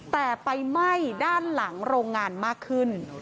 แต่ไฟไหม้ด้านหลังโรงงานมากขึ้น